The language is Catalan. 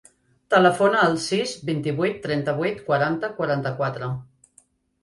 Telefona al sis, vint-i-vuit, trenta-vuit, quaranta, quaranta-quatre.